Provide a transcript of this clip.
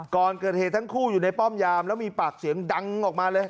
ก่อนเกิดเหตุทั้งคู่อยู่ในป้อมยามแล้วมีปากเสียงดังออกมาเลย